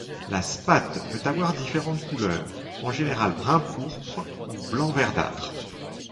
La spathe peut avoir différentes couleurs, en général brun-pourpre ou blanc-verdâtre.